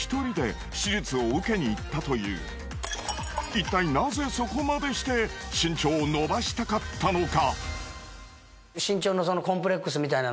いったいなぜそこまでして身長を伸ばしたかったのか？